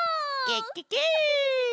ケッケケ！